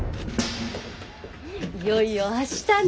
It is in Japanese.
いよいよ明日ね！